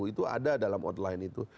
itu ada dalam outline itu